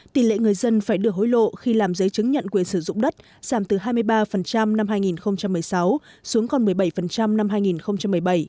tỷ lệ người dân phải đưa hối lộ khi làm giấy chứng nhận quyền sử dụng đất giảm từ hai mươi ba năm hai nghìn một mươi sáu xuống còn một mươi bảy năm hai nghìn một mươi bảy